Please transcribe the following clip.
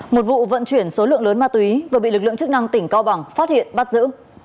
một vụ vận chuyển số lượng lớn ma túy vừa bị lực lượng chức năng tỉnh cao bằng phát hiện bắt giữ